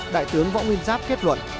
đại tướng võ nguyên giáp kết luận